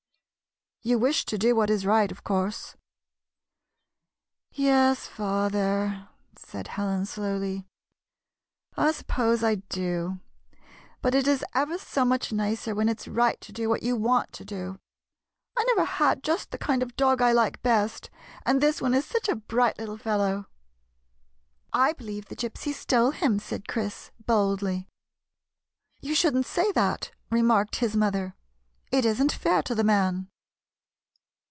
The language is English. You wish to do what is right, of course ?"" Yes, father," said Helen, slowly, " I suppose I do, but it is ever so much nicer when it 's right to do what you want to do. I never had just the kind of dog I like best, and this one is such a bright little fellow." " I believe the Gypsy stole him," said Chris, boldly. " You should n't say that," remarked his mother. " It is n't fair to the man."